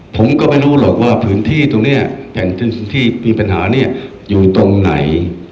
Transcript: ผมก็ไม่รู้หรอกว่าพื้นที่ตรงนี้แห่งที่มีปัญหาเนี่ยอยู่ตรงไหน